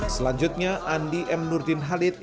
selanjutnya andi m nurdin halid